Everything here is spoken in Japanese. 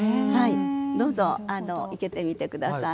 どうぞ、生けてみてください。